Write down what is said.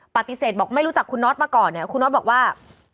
ปฏิเสธบอกไม่รู้จักคุณน็อตมาก่อนเนี่ยคุณน็อตบอกว่า